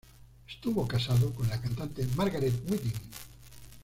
Estuvo casado con la cantante Margaret Whiting.